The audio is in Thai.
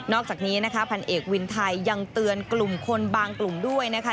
อกจากนี้นะคะพันเอกวินไทยยังเตือนกลุ่มคนบางกลุ่มด้วยนะคะ